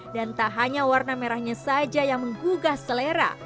dan tak hanya warna merahnya saja yang menggugah selera